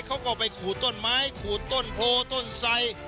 เขาก็ไปขูดต้นไม้ขูดต้นโพต้นไส